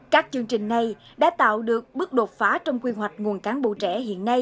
các chương trình này đã tạo được bước đột phá trong quy hoạch nguồn cán bộ trẻ hiện nay